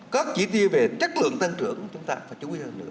các chỉ tiêu về chất lượng tăng trưởng chúng ta phải chú ý hơn nữa